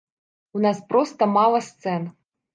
У нас проста мала сцэн.